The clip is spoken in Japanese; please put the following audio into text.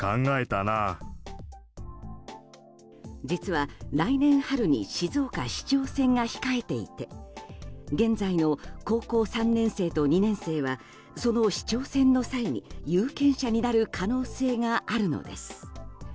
実は、来年春に静岡市長選が控えていて現在の高校３年生と２年生はその市長選の際に有権者になる可能性があるのです。